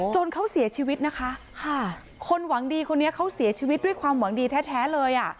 จนเขาเสียชีวิตนะคะค่ะคนหวังดีคนนี้เขาเสียชีวิตด้วยความหวังดีแท้เลยอ่ะ